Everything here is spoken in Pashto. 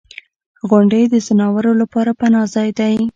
• غونډۍ د ځناورو لپاره پناه ځای دی.